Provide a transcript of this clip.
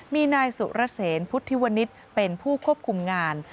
มีนายสุรเสนพุทธิวนิษฐ์เป็นผู้ควบคุมงาน